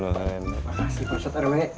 makasih pak ustadz rw